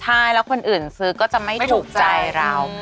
ใช่แล้วคนอื่นซื้อก็จะไม่ถูกใจเรา